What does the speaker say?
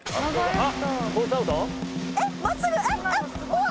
あっ！！